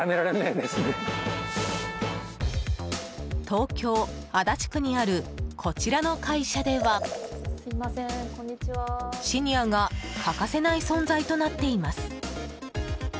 東京・足立区にあるこちらの会社ではシニアが欠かせない存在となっています。